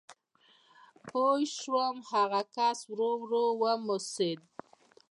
پوه شوم، هغه کس ورو ورو وموسېد.